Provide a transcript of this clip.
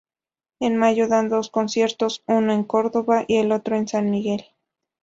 En mayo dan dos conciertos: uno en Córdoba y el otro en San Miguel.